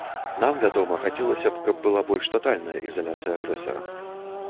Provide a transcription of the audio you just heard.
Нам, вядома, хацелася б, каб была больш татальная ізаляцыя агрэсара.